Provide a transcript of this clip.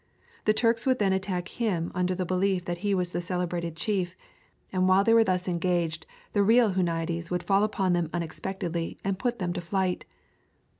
The Turks would then attack him under the belief that he was the celebrated chief, and while they were thus engaged the real Huniades would fall upon them unexpectedly and put them to flight.